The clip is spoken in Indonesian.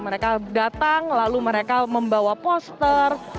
mereka datang lalu mereka membawa poster